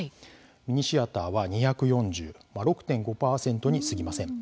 ミニシアターは２４０６．５％にすぎません。